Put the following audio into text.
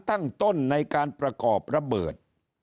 ตั้งต้นในการประกอบระเบิด